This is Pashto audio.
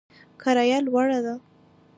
کرایه لوړه ده